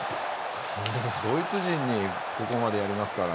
ドイツ人にここまでやりますから。